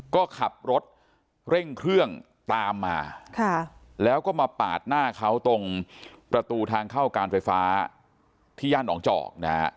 ก็ขับรถเร่งเครื่องตามมาแล้วก็มาปาดหน้าเขาตรงประตูทางเข้าการไฟฟ้าที่ย่านหนองจอกนะฮะ